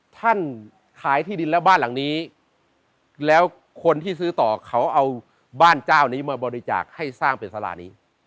ท่านขายที่ดินแล้วบ้านหลังนี้แล้วคนที่ซื้อต่อเขาเอาบ้านเจ้านี้มาบริจาคให้สร้างเป็นสารานี้